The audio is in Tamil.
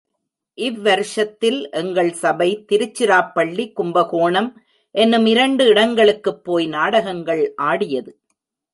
இவ் வருஷத்தில் எங்கள் சபை திருச்சிராப்பள்ளி, கும்பகோணம் என்னும் இரண்டு இடங்களுக்குப் போய் நாடகங்கள் ஆடியது.